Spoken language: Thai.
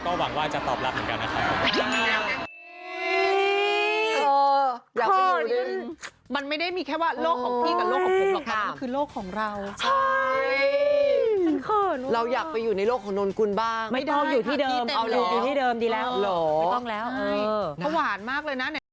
ก็หวังว่าจะตอบรับเหมือนกันนะครับ